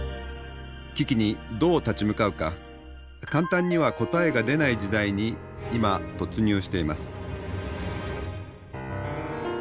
危機にどう立ち向かうか簡単には答えが出ない時代に今突入しています。